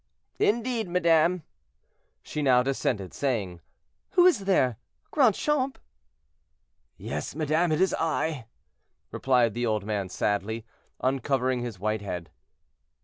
"Indeed, madame." She now descended, saying: "Who is there? Grandchamp?" "Yes, madame, it is I," replied the old man sadly, uncovering his white head.